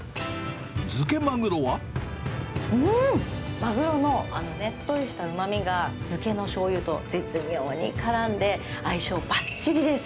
マグロのねっとりしたうまみが漬けのしょうゆと絶妙にからんで、相性ばっちりです。